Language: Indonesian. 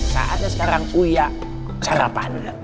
saatnya sekarang uya sarapan